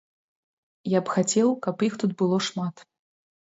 Я б хацеў, каб іх тут было шмат.